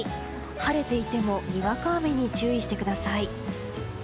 晴れていてもにわか雨に注意してください。